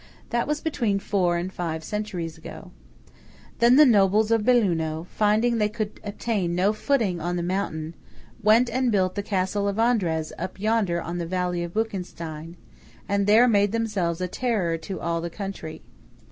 That was between four and five centuries ago. Then the nobles of Belluno, finding they could obtain no footing on the mountain, went and built the Castle of Andraz up yonder in the valley of Buchenstein, and there made themselves a terror to all the country.